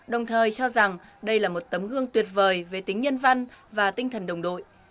đồng thời cho rằng đây là một tấm gương tuyệt vời về tính nhân văn và tinh thần đồng đội